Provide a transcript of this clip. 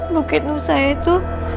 bukit nusa itu